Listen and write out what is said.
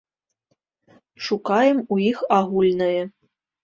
Шукаем у іх агульнае.